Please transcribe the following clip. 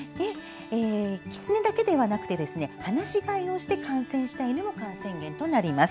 キツネだけでなく放し飼いをして感染した犬も感染源となります。